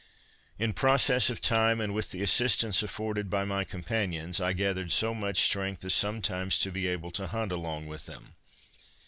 In process of time, and with the assistance afforded by my companions, I gathered so much strength as sometimes to be able to hunt along with them.